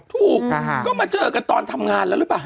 ถูกก็มาเจอกันตอนทำงานแล้วหรือเปล่า